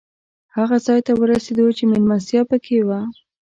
هغه ځای ته ورسېدو چې مېلمستیا پکې وه.